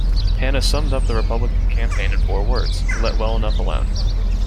Hanna summed up the Republican campaign in four words, Let well enough alone.